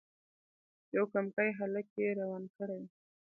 یو کمکی هلک یې روان کړی وو.